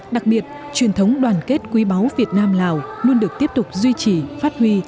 đặc biệt truyền thống đoàn kết quý báu việt nam lào luôn được tiếp tục duy trì phát huy